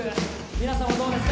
皆さんはどうですか？